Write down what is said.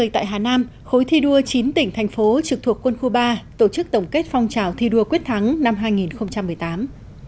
tại hà nam khối thi đua chín tỉnh thành phố trực thuộc quân khu ba tổ chức tổng kết phong trào thi đua quyết thắng năm hai nghìn một mươi tám